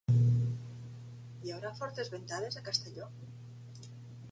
Hi haurà fortes ventades a Castelló?